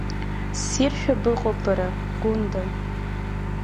Ссиршәа быҟоуп бара, Гәында!